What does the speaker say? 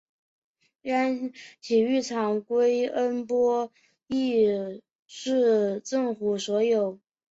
该体育场归恩波利市政府所有。